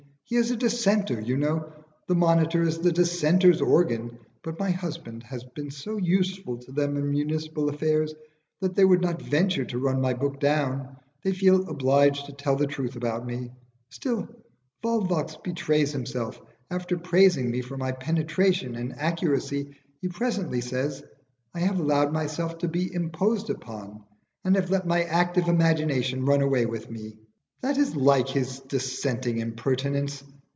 He is a Dissenter, you know. The 'Monitor' is the Dissenters' organ, but my husband has been so useful to them in municipal affairs that they would not venture to run my book down; they feel obliged to tell the truth about me. Still Volvox betrays himself. After praising me for my penetration and accuracy, he presently says I have allowed myself to be imposed upon and have let my active imagination run away with me. That is like his dissenting impertinence.